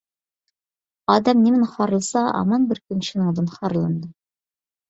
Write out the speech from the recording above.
ئادەم نېمىنى خارلىسا ھامان بىر كۈنى شۇنىڭدىن خارلىنىدۇ.